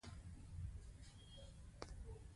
زیار ایستل څه مېوه ورکوي؟